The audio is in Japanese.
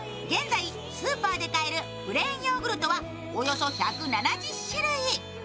現在、スーパーで買えるプレーンヨーグルトはおよそ１７０種類。